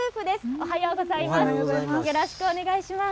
おはようございます。